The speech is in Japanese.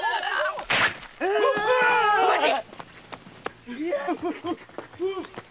お待ち！